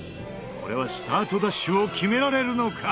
これはスタートダッシュを決められるのか！？